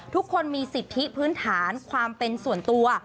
ทุกคนมีสิทธิพื้นฐานความเป็นส่วนตัว